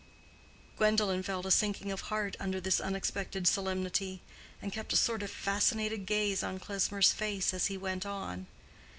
Gwendolen felt a sinking of heart under this unexpected solemnity, and kept a sort of fascinated gaze on Klesmer's face, as he went on.